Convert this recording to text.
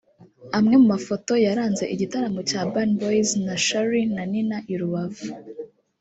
Amwe mu mafoto yaranze igitaramo cya Urban Boys na Charly na Nina i Rubavu